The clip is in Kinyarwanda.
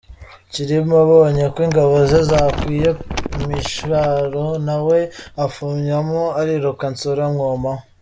Cyilima abonye ko ingabo ze zakwiye imishwaro, na we afumyamo ariruka Nsoro amwomaho